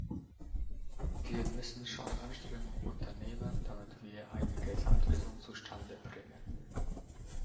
Wir müssen schon Anstrengungen unternehmen, damit wir eine Gesamtlösung zustande bringen.